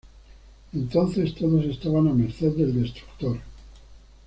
Entonces todos estaban a merced del destructor.